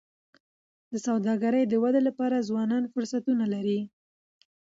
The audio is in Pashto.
د سوداګری د ودي لپاره ځوانان فرصتونه لري.